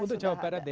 untuk jawa barat ya